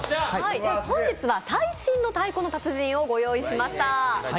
本日は最新の「太鼓の達人芸」をご用意しました。